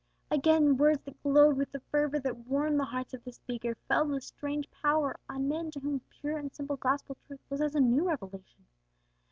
Again words that glowed with the fervour that warmed the heart of the speaker fell with strange power on men to whom pure and simple gospel truth was as a new revelation.